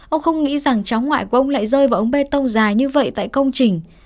ông không nghĩ rằng cháu ngoại của ông lại rơi vào ống bê tông dài như vậy tại công trình